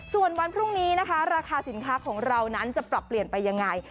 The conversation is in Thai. ส่วนวันพรุ่งนี้นะคะราคาสินค้าของเรานั้นจะปรับเปลี่ยนไปยังไง